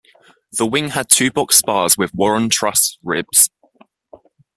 The wing had two box spars with Warren truss ribs.